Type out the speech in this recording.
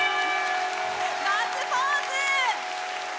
ガッツポーズ！